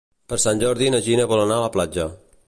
Per Sant Jordi na Gina vol anar a la platja.